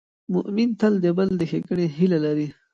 مؤمن تل د بل د ښېګڼې هیله لري.